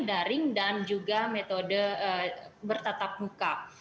daring dan juga metode bertatap muka